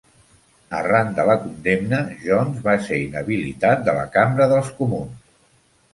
Arran de la condemna, Jones va ser inhabilitat de la Cambra dels Comuns.